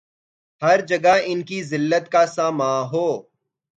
ہر جگہ ان کی زلت کا سامان ہو